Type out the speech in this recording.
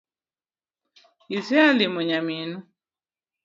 Isea limo nyaminu